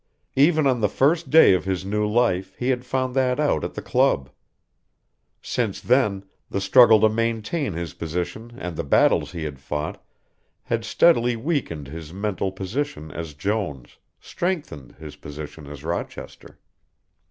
Even on the first day of his new life he had found that out at the club. Since then the struggle to maintain his position and the battles he had fought had steadily weakened his mental position as Jones, strengthened his position as Rochester.